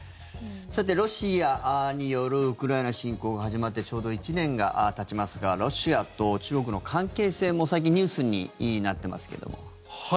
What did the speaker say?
さて、ロシアによるウクライナ侵攻が始まってちょうど１年がたちますがロシアと中国の関係性も最近ニュースになってますけども。